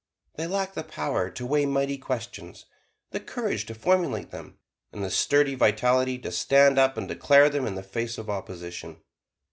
They lack the power to weigh mighty questions, the courage to formulate them, and the sturdy vitality to stand up and declare them in the face of opposition.